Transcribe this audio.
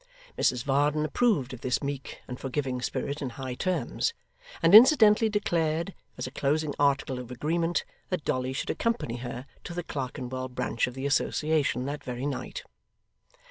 Mrs Varden approved of this meek and forgiving spirit in high terms, and incidentally declared as a closing article of agreement, that Dolly should accompany her to the Clerkenwell branch of the association, that very night.